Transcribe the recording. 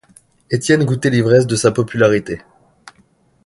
Étienne goûtait l’ivresse de sa popularité.